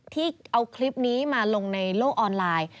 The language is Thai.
ที่เอาคลิปนี้มาลงในโลกออนไลน์